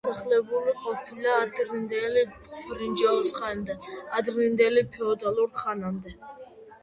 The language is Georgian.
გორები დასახლებული ყოფილა ადრინდელი ბრინჯაოს ხანიდან ადრინდელი ფეოდალურ ხანამდე.